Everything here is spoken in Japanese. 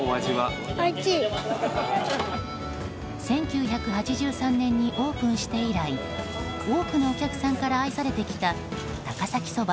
１９８３年にオープンして以来多くのお客さんから愛されてきた高崎そば